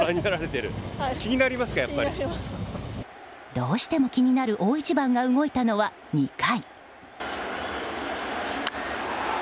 どうしても気になる大一番が動いたのは２回。